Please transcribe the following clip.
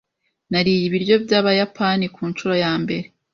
Nariye ibiryo byabayapani kunshuro yambere.